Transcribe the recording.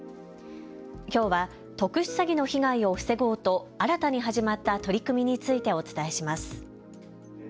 きょうは特殊詐欺の被害を防ごうと新たに始まった取り組みについてお伝えします。